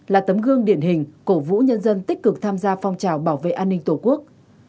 là tấm gương điển hình cổ vũ nhân dân tích cực tham gia phong trào bảo vệ an ninh tổ quốc